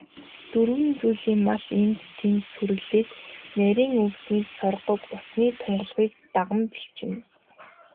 Дөрвөн зүйлийн мал энд тэнд сүрэглээд, нарийн өвсний соргог, усны тунгалгийг даган бэлчинэ.